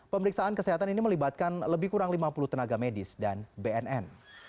pemeriksaan kesehatan ini melibatkan lebih kurang lima puluh tenaga medis dan bnn